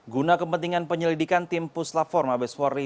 guna kepentingan penyelidikan tim puslapfor mabeswari